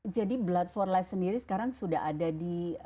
jadi blood empat life sendiri sekarang sudah ada di